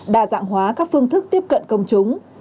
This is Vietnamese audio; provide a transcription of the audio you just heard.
đa dạng hóa các phương thức tiếp cận công chúng